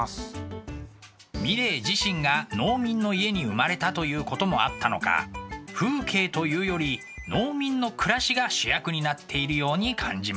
ミレー自身が農民の家に生まれたということもあったのか風景というより農民の暮らしが主役になっているように感じますね。